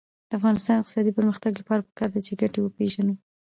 د افغانستان د اقتصادي پرمختګ لپاره پکار ده چې ګټې وپېژنو.